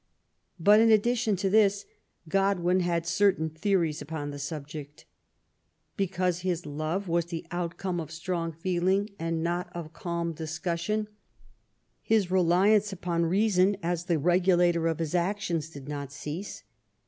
Hut, in addition to this^ Godwin had certain theories upon the subject. Because his love was the outcome of strong feeling, and not of calm discussion, his LIFE WITH GODWIN: MABBIAGE. 187 reliance upon reason^ as the regulator of his action8>y did not cease.